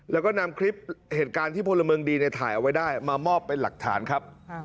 แล้วก็นำคลิปเหตุการณ์ที่พลเมืองดีในถ่ายเอาไว้ได้มามอบเป็นหลักฐานครับ